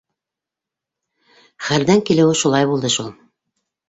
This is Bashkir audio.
Хәлдән килеүе шулай булды шул.